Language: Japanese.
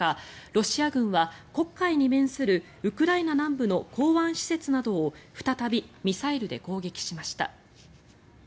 ロシア軍は黒海に面するウクライナ南部の港湾施設などを再びミサイルで攻撃しました。